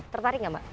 tertarik gak mbak